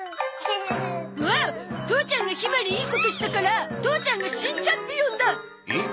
おお父ちゃんがひまにいいことしたから父ちゃんが新チャンピオンだ。えっ？